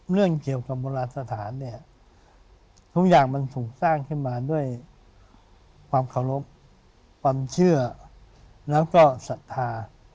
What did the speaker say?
เรื่องเกี่ยวกับโบราณสถานเนี่ยทุกอย่างมันถูกสร้างขึ้นมาด้วยความเคารพความเชื่อแล้วก็ศรัทธา